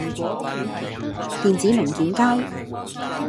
電子零件街